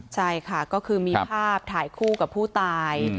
ใช่ค่ะก็คือมีภาพถ่ายคู่กับผู้ตาย